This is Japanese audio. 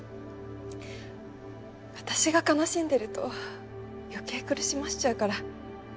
私が悲しんでるとよけい苦しませちゃうから